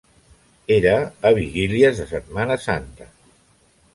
Era a vigílies de Setmana Santa.